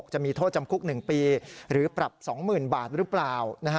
จะมีโทษจำคุก๑ปีหรือปรับ๒๐๐๐บาทหรือเปล่า